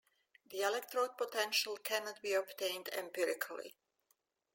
The electrode potential cannot be obtained empirically.